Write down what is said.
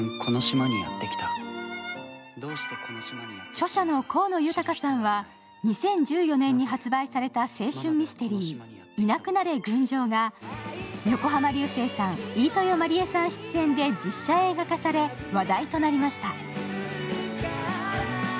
著者の河野裕さんは２０１４年に発売された青春ミステリー「いなくなれ、群青」が横浜流星さん、飯豊まりえさん出演で実写映画化され話題となりました。